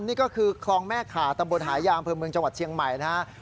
นี่ก็คือคลองแม่ขาตำบลหายาอำเภอเมืองจังหวัดเชียงใหม่นะครับ